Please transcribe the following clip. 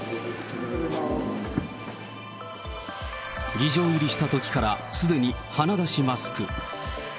議場入りしたときから、すでに鼻出しマスク。